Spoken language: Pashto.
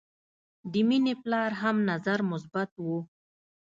د مینې پلار هم نظر مثبت و